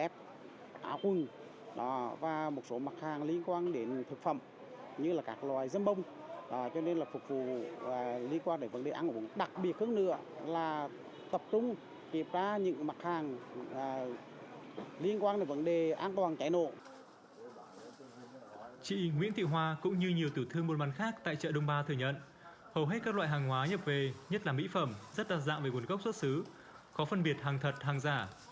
chị nguyễn thị hoa cũng như nhiều tử thương bôn bán khác tại chợ đông ba thừa nhận hầu hết các loại hàng hóa nhập về nhất là mỹ phẩm rất đa dạng về nguồn gốc xuất xứ có phân biệt hàng thật hàng giả